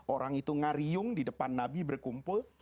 orang itu ngariung di depan nabi berkumpul